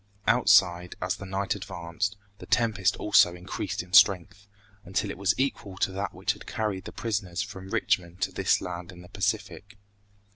Outside, as the night advanced, the tempest also increased in strength, until it was equal to that which had carried the prisoners from Richmond to this land in the Pacific.